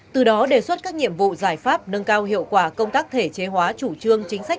từ đó đề xuất các nhiệm vụ giải pháp nâng cao hiệu quả công tác thể chế hóa chủ trương chính sách